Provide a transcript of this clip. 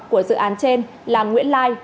của dự án trên là nguyễn lai